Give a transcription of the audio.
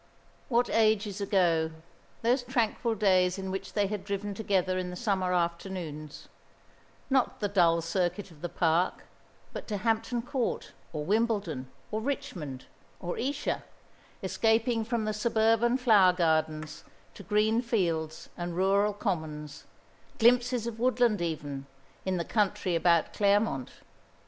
What ages ago those tranquil days in which they had driven together in the summer afternoons not the dull circuit of the Park, but to Hampton Court, or Wimbledon, or Richmond, or Esher, escaping from the suburban flower gardens to green fields and rural commons, glimpses of woodland even, in the country about Claremont.